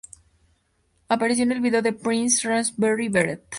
Apareció en el vídeo de Prince Raspberry Beret.